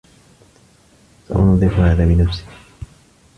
سأنظّف هذا بنفسي.